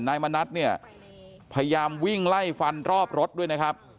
นายมณัฐเนี่ยพยายามวิ่งไล่ฟันรอบรถด้วยนะครับ